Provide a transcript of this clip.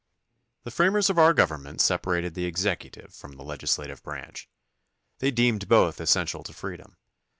The framers of our government separated the exec utive from the legislative branch. They deemed both essential to freedom.